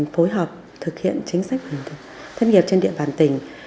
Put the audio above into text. phối hợp thực hiện chính sách thất nghiệp trên địa bàn tỉnh